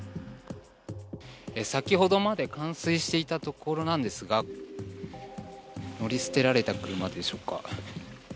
先ほどまで冠水していたところなんですが乗り捨てられた車でしょうか。